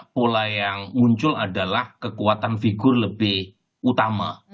pola yang muncul adalah kekuatan figur lebih utama